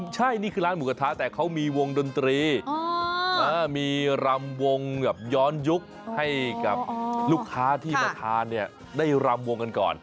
ใช่นี่คือร้านหมูกระทะแต่เขามีวงดนตรีมีรำวงแบบย้อนยุคให้กับลูกค้าที่มาทานเนี่ยได้รำวงกันก่อน